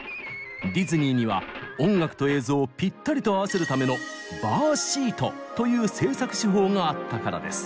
ディズニーには音楽と映像をピッタリと合わせるためのという制作手法があったからです。